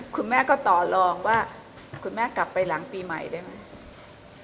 คุณแม่ก็ต่อลองว่าคุณแม่กลับไปหลังปีใหม่ได้ไหม